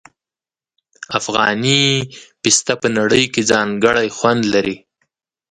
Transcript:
افغاني پسته په نړۍ کې ځانګړی خوند لري.